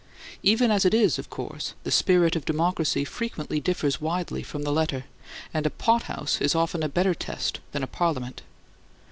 Even as it is, of course, the spirit of democracy frequently differs widely from the letter, and a pothouse is often a better test than a Parliament.